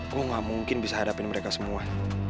gue gak mungkin bisa hadapin mereka semua